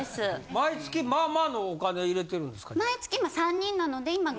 毎月まあまあのお金を入れてるんですか？